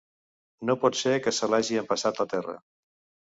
No pot ser que se l'hagi empassat la terra.